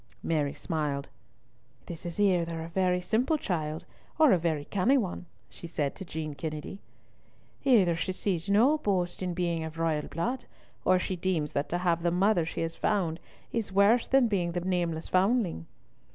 Mary smiled. "This is either a very simple child or a very canny one," she said to Jean Kennedy. "Either she sees no boast in being of royal blood, or she deems that to have the mother she has found is worse than the being the nameless foundling."